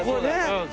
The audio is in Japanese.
うん。